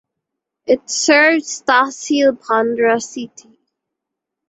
It serves Tahsil Bhadra city.